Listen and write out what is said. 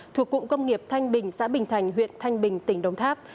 thuộc cụng công nghiệp thanh bình xã bình thành huyện thanh bình tỉnh đồng tháp